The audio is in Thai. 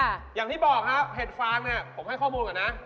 อย่างที่บอกฮะเห็ดฟางเนี่ยผมให้ข้อมูลก่อนนะ